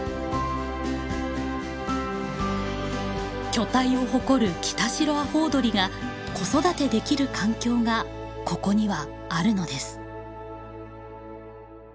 巨体を誇るキタシロアホウドリが子育てできる環境がここにはあるのです。